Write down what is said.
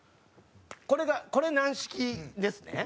これがこれ軟式ですね。